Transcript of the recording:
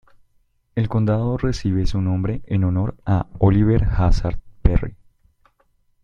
El condado recibe su nombre en honor a Oliver Hazard Perry.